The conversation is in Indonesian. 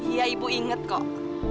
iya ibu inget kok